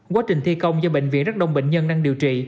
quá trình thi công do bệnh viện rất đông bệnh nhân đang điều trị